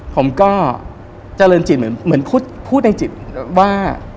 ผมก็เจริญจิตเหมือนพูดในจิตว่า